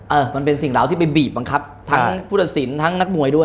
เออมันเป็นสิ่งเหล่าที่ไปบีบบังคับทั้งผู้ตัดสินทั้งนักมวยด้วย